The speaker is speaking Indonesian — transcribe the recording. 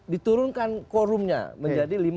diturunkan quorumnya menjadi